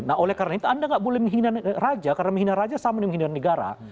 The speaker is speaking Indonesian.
nah oleh karena itu anda nggak boleh menghina raja karena menghina raja sama dengan menghina negara